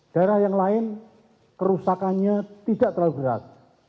daerah yang lain kerusakannya tidak terlalu berat